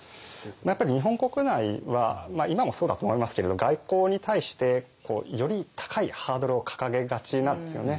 やっぱり日本国内は今もそうだと思いますけれど外交に対してより高いハードルを掲げがちなんですよね。